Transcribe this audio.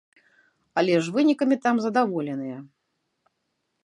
Але ж вынікамі там задаволеныя.